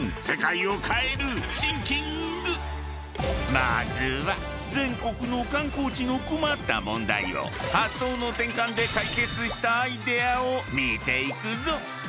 まずは全国の観光地の困った問題を発想の転換で解決したアイデアを見ていくぞ！